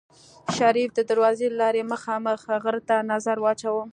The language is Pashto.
شريف د دروازې له لارې مخامخ غره ته نظر واچوه.